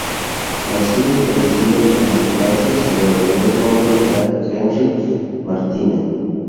Nacido y fallecido en París, Francia, su verdadero nombre era Henri Martine.